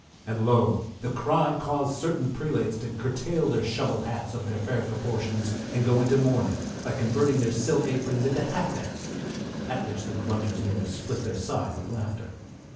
And lo, the cry caused certain prelates to curtail their shovel hats of their fair proportions and go into mourning, by converting their silk aprons into hatbands, at which the grunters nearly split their side with laughter.